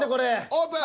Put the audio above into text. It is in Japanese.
オープン。